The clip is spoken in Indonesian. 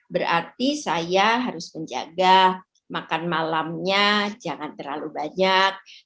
berarti saya harus menjaga makan malamnya jangan terlalu banyak